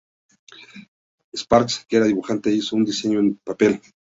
Sparks, que era dibujante, hizo un diseño en un papel.